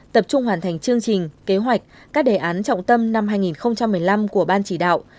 tập trung hoàn thành chương trình kế hoạch các đề án trọng tâm năm hai nghìn một mươi năm của ban chỉ đạo